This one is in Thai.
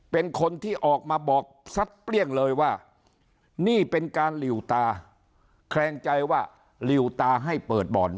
เป็นคนที่ออกมาบอกซัดเปรี้ยงเลยว่านี่เป็นการหลิวตาแคลงใจว่าหลิวตาให้เปิดบ่อน